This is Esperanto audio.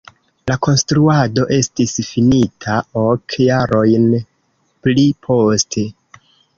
La konstruado estis finita ok jarojn pli poste.